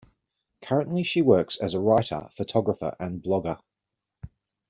Currently she works as a writer, photographer, and blogger.